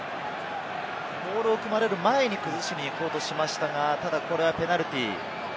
モールを組まれる前に崩しに行こうとしましたが、これはペナルティー。